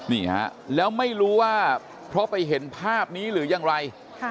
นี่ฮะแล้วไม่รู้ว่าเพราะไปเห็นภาพนี้หรือยังไร